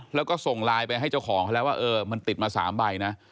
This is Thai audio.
แล้วก็ส่งไลน์ไปให้เจ้าของเขาแล้วว่าเออมันติดมา๓ใบนะ